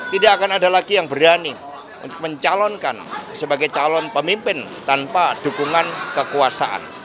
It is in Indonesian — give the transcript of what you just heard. tidak akan ada lagi yang berani untuk mencalonkan sebagai calon pemimpin tanpa dukungan kekuasaan